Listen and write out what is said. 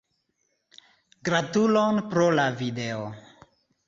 Gratulon pro la video.